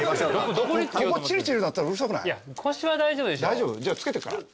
大丈夫？じゃあつけてくから。